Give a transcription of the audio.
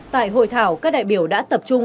tại hội thảo các đại biểu đã tập trung